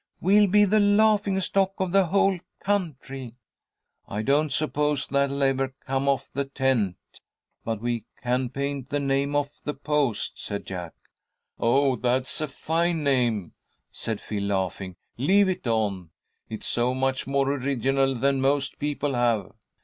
We'll be the laughing stock of the whole country." "I don't suppose that'll ever come off the tent, but we can paint the name off the post," said Jack. "Oh, that's a fine name," said Phil, laughing, "leave it on. It's so much more original than most people have."